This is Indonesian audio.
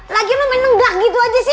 lagi lo main nenggak gitu aja sih